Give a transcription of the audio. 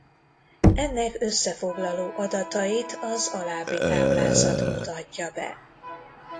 Ennek összefoglaló adatait az alábbi táblázat mutatja be.